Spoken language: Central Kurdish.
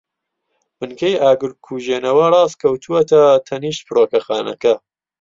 بنکەی ئاگرکوژێنەوە ڕاست کەوتووەتە تەنیشت فڕۆکەخانەکە.